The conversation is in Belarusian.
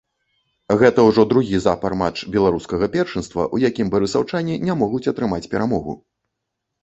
Гэта ўжо другі запар матч беларускага першынства, у якім барысаўчане не могуць атрымаць перамогу.